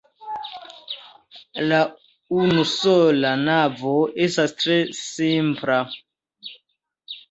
La unusola navo estas tre simpla.